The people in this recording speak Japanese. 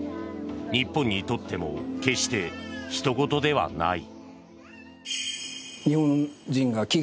日本にとっても決して人ごとではない。